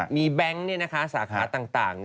มีแบงค์สาขาต่าง